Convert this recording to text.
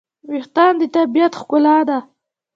وېښتيان د طبیعت ښکلا ده.